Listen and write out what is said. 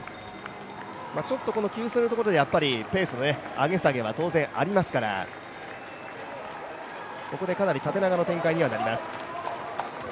ちょっと給水のところでペースの上げ下げは当然ありますからここでかなり縦長の展開にはなります。